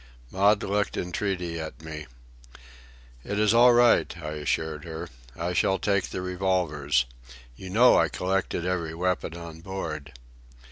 Maud looked entreaty at me. "It is all right," I assured her. "I shall take the revolvers. You know I collected every weapon on board."